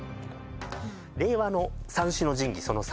令和の三種の神器その